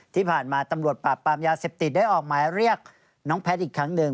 ที่ผ่านมาตำรวจปราบปรามยาเสพติดได้ออกหมายเรียกน้องแพทย์อีกครั้งหนึ่ง